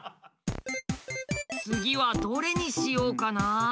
次はどれにしようかな。